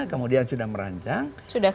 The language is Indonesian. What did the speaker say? kemudian sudah merancang